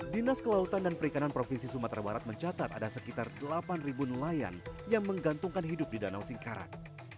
dinas kelautan dan perikanan provinsi sumatera barat mencatat ada sekitar delapan nelayan yang menggantungkan hidup di danau singkarak